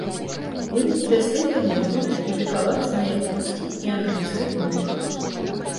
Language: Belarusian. Вынікі даследаванняў будуць публікавацца на японскім і англійскай мовах.